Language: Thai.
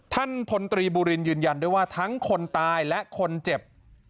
ท่านพลตรีบุรินยืนยันด้วยว่าทั้งคนตายและคนเจ็บ